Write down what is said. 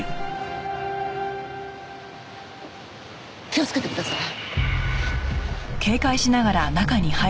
気をつけてください。